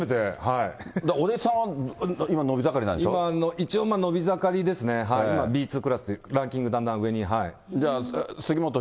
お弟子さんは今、伸び盛りな今、一応、伸び盛りですね、今Ｂ２クラスで、ランキングだんだん上に。